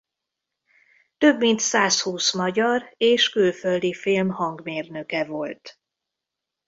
Több mint százhúsz magyar és külföldi film hangmérnöke volt.